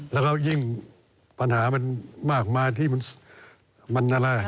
แล้วยิ่งปัญหามันมากมายที่มัน